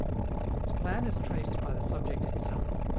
Its plan is traced by the subject itself.